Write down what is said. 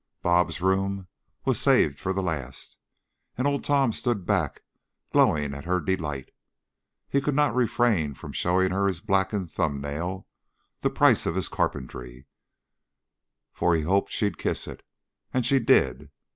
"Bob's" room was saved for the last, and Old Tom stood back, glowing at her delight. He could not refrain from showing her his blackened thumb nail the price of his carpentry for he hoped she'd kiss it. And she did.